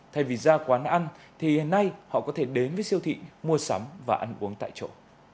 thay vì ra quán ăn thì hiện nay họ có thể đến với siêu thị mua sắm và ăn uống tại chỗ